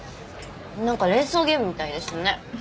なんか連想ゲームみたいですね。